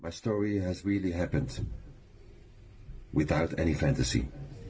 ชีวิตของชั้นจริงไม่มีแฟนเตอร์ซี